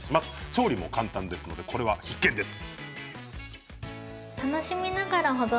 調理も簡単ですのでこれ必見です。